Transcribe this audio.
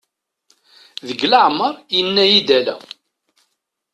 Deg leɛmer yenna-iy-d ala.